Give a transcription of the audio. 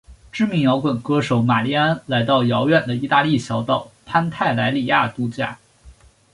知名摇滚歌手玛莉安来到偏远的义大利小岛潘泰莱里亚度假。